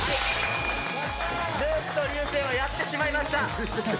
琉巧と流星はやってしまいました。